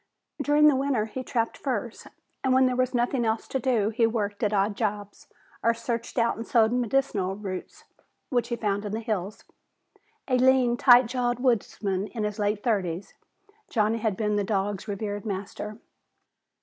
During the winter, he trapped furs, and when there was nothing else to do he worked at odd jobs or searched out and sold medicinal roots which he found in the hills. A lean, tight jawed woodsman in his late thirties, Johnny had been the dog's revered master.